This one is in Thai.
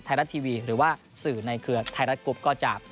ไทยรัฐทีวีหรือว่าสื่อในเครือไทยรัฐกรุ๊ปก็จะ